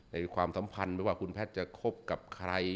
ความสัมพันธ์ไม่ว่าคุณแพทย์จะคบกับใคร